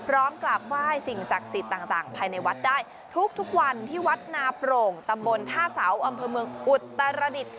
กราบไหว้สิ่งศักดิ์สิทธิ์ต่างภายในวัดได้ทุกวันที่วัดนาโปร่งตำบลท่าเสาอำเภอเมืองอุตรดิษฐ์